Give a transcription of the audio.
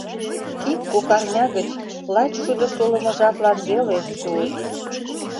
Ик-кок арня гыч, лач шудо солымо жаплан веле, шуыт.